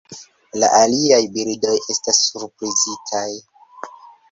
La aliaj birdoj estas surprizataj.